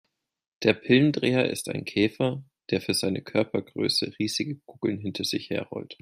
Der Pillendreher ist ein Käfer, der für seine Körpergröße riesige Kugeln hinter sich her rollt.